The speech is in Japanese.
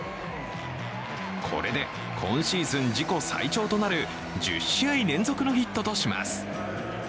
これで今シーズン自己最長となる１０試合連続のヒットとします。